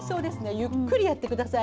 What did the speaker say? ゆっくりやってください。